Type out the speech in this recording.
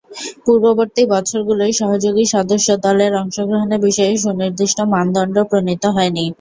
পূর্ববর্তী বছরগুলোয় সহযোগী সদস্য দলের অংশগ্রহণের বিষয়ে সুনির্দিষ্ট মানদণ্ড প্রণীত হয়নি।